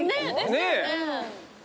ねえ。